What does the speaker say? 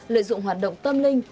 lợi dụng hoạt động tâm linh